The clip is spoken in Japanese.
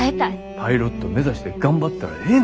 パイロット目指して頑張ったらええね。